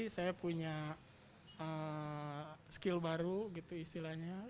saya punya skill baru gitu istilahnya